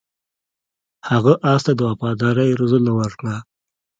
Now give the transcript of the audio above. هغه اس ته د وفادارۍ روزنه ورکړه.